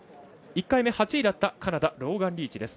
１回目８位だったカナダ、ローガン・リーチ。